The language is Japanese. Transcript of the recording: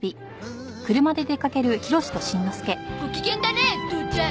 ご機嫌だね父ちゃん。